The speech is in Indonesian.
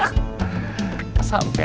ini ada apa ya